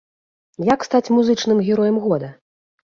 Як стаць музычным героем года?